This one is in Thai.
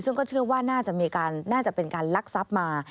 ซึ่งก็เชื่อว่าน่าจะมีการน่าจะเป็นการลักทรัพย์มา